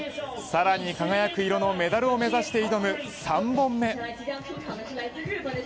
更に輝く色のメダルを目指して挑む３本目。